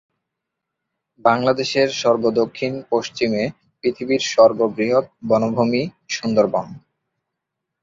বাংলাদেশের সর্ব দক্ষিণ-পশ্চিমে পৃথিবীর সর্ব বৃহৎ বনভূমি সুন্দরবন।